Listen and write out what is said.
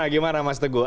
gimana mas teguh